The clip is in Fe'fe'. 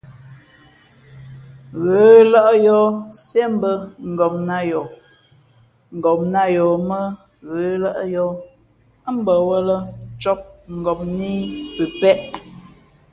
Ghə̌lᾱʼ yǒh siēmbᾱ ngopnā yoh, ngopnā yoh mᾱ ghə̌lᾱʼ yǒh, ά mbαwᾱlᾱ cōp ngopnā ī pəpēʼ.